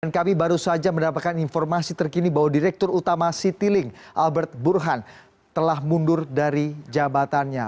dan kami baru saja mendapatkan informasi terkini bahwa direktur utama citylink albert burhan telah mundur dari jabatannya